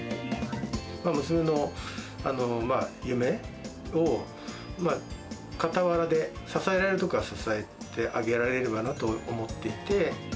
娘の夢を、傍らで支えられるところは支えてあげられればなと思っていて。